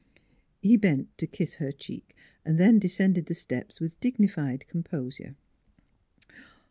" He bent to kiss her cheek; then descended the steps with dignified composure.